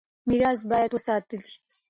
ميراث بايد وساتل شي.